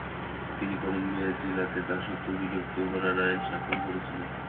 তিনি কলম্বিয়া জেলাতে দাসত্ব বিলুপ্ত করার আইন স্বাক্ষর করেছিলেন।